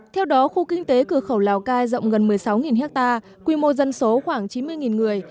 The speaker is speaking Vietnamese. theo đó khu kinh tế cửa khẩu lào cai rộng gần một mươi sáu ha quy mô dân số khoảng chín mươi người